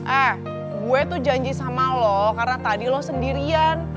eh gue tuh janji sama lo karena tadi lo sendirian